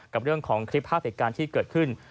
กับเรื่องของคลิปภาพเหตุการณ์ที่เกิดขึ้น